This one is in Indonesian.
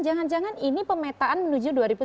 jangan jangan ini pemetaan menuju dua ribu sembilan belas